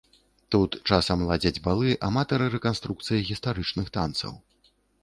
Тут часам ладзяць балы аматары рэканструкцыі гістарычных танцаў.